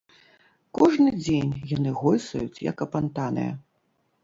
Кожны дзень яны гойсаюць як апантаныя.